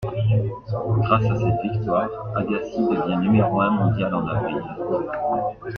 Grâce à cette victoire, Agassi devient numéro un mondial en avril.